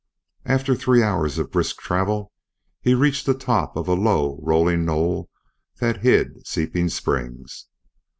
After three hours of brisk travel he reached the top of a low rolling knoll that hid Seeping Springs.